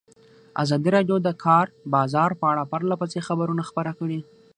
ازادي راډیو د د کار بازار په اړه پرله پسې خبرونه خپاره کړي.